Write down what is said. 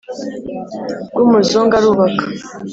rw'umuzungu arubaka.